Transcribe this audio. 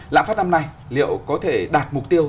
lãng phát năm nay liệu có thể đạt mục tiêu